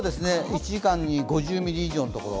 １時間に５０ミリ以上のところ。